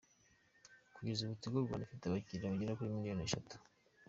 Kugeza ubu Tigo Rwanda ifite abakiriya bagera kuri miliyoni eshatu.